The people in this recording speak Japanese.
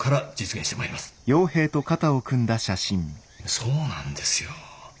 そうなんですよ。